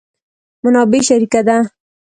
منابع شریکه ده.